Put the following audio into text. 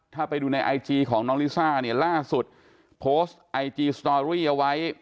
ถ้าไปดูในไอจีของน้องลิซ่าเนี่ยล่าสุดโพสต์ไอจีสตอรี่เอาไว้